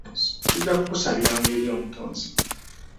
Tujja kukusabiranga eri omutonzi.